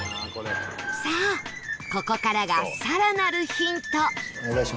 さあ、ここからが更なるヒント